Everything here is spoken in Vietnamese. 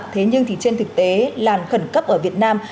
thế nhưng trên thực tế làn khẩn cấp ở việt nam